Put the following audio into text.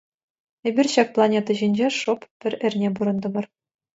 Эпир ҫак планета ҫинче шӑп пӗр эрне пурӑнтӑмӑр.